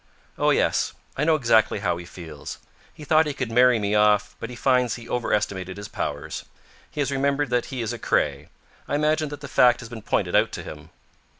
"Oh, yes. I know exactly how he feels. He thought he could carry me off, but he finds he overestimated his powers. He has remembered that he is a Craye. I imagine that the fact has been pointed out to him."